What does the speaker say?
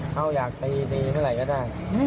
เขาอยากตีตีเมื่อไหร่ก็ได้